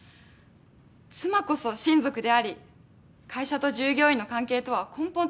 妻こそ親族であり会社と従業員の関係とは根本的に異なります。